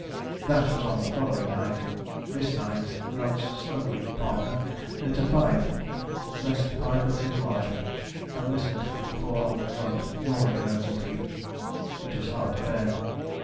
That was on the following night. This night Grunt's snuggling partner lit a pipe, the best pipe of his life, and listened to poor old Grunt gnawing Ovaltine. It was hard to bear.